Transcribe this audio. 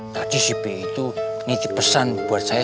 tadi si pi itu ini dipesan buat saya